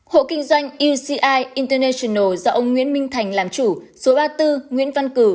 hộ kinh doanh eci international do ông nguyễn minh thành làm chủ số ba mươi bốn nguyễn văn cử